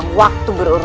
yang dapat amaran